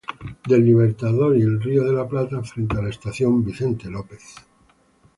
Del Libertador y el Río de la Plata, frente a la estación Vicente López.